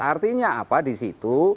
artinya apa di situ